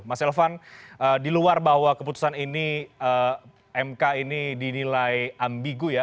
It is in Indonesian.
mas elvan di luar bahwa keputusan ini mk ini dinilai ambigu ya